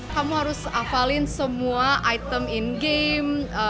kamu harus hafalin semua item in game